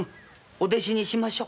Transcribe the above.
お弟子にしましょう。